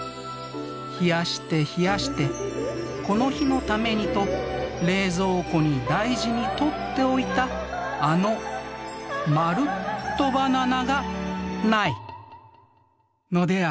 冷やして冷やしてこの日のためにと冷蔵庫に大事にとっておいたあのまるっとバナナがないのである。